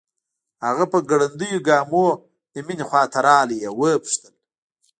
هغه په ګړنديو ګامونو د مينې خواته راغی او وپوښتل